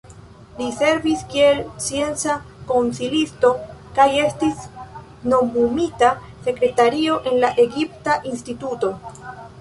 Li servis kiel scienca konsilisto, kaj estis nomumita sekretario en la Egipta Instituto.